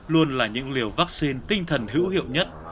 luôn là những liều vaccine tinh thần hữu hiệu nhất